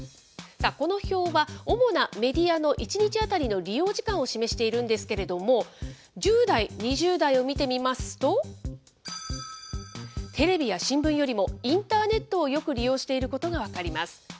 この表は、主なメディアの１日当たりの利用時間を示しているんですけれども、１０代、２０代を見てみますと、テレビや新聞よりも、インターネットをよく利用していることが分かります。